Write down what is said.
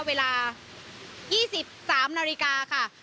เวลา๒๓นาฬิกาค่ะ